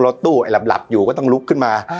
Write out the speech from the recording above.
รถตู้ไอ้หลับอยู่ก็ต้องลุกขึ้นมา